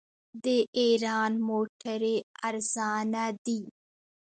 د ایران موټرې ارزانه دي.